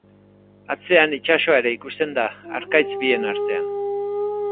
Atzean itsasoa ere ikusten da harkaitz bien artean.